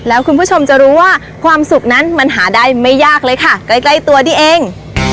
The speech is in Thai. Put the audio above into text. แล้วคุณผู้ชมจะรู้ว่าความสุขนั้นมันหาได้ไม่ยากเลยค่ะใกล้ตัวนี่เอง